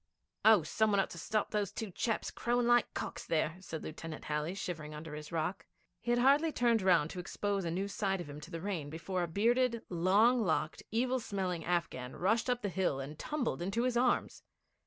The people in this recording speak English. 'Oh, some one ought to stop those two chaps crowing away like cocks there,' said Lieutenant Halley, shivering under his rock. He had hardly turned round to expose a new side of him to the rain before a bearded, long locked, evil smelling Afghan rushed up the hill, and tumbled into his arms.